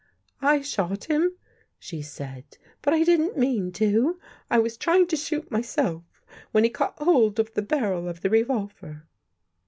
" I shot him," she said. " But I didn't mean to. I was trying to shoot myself, when he caught hold of the barrel of the revolver."